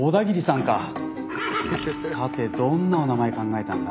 さてどんなおなまえ考えたんだ？